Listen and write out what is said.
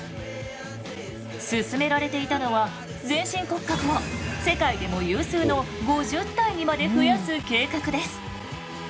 進められていたのは全身骨格を世界でも有数の５０体にまで増やす計画です。